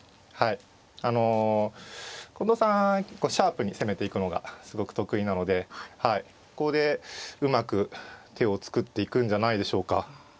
シャープに攻めていくのがすごく得意なのでここでうまく手を作っていくんじゃないでしょうか。